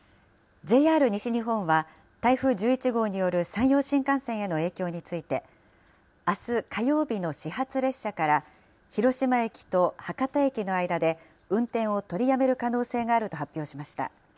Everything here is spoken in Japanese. ＪＲ西日本は、台風１１号による山陽新幹線への影響について、あす火曜日の始発列車から広島駅と博多駅の間で運転を取りやめる可能性があると発表しました。